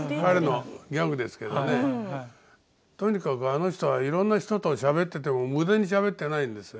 とにかくあの人はいろんな人としゃべってても無駄にしゃべってないんですよ。